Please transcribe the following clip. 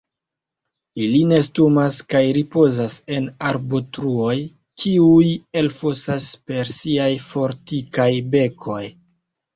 Ili nestumas kaj ripozas en arbotruoj kiuj elfosas per siaj fortikaj bekoj.